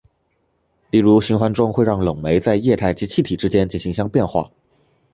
例如循环中会让冷媒在液态及气体之间进行相变化。